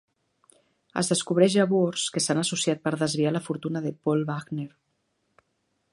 Es descobreix llavors que s'han associat per desviar la fortuna de Paul Wagner.